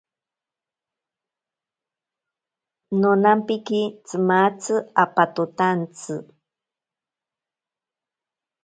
Nonampiki tsimatzi apototantsi.